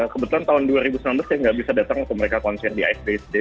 kebetulan tahun dua ribu enam belas saya nggak bisa datang ke mereka konser di ice base day